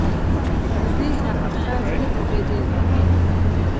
په دې حقیقت ښه پوهېدی.